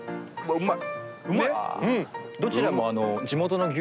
うまい！